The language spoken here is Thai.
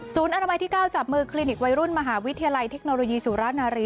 อนามัยที่๙จับมือคลินิกวัยรุ่นมหาวิทยาลัยเทคโนโลยีสุรนารี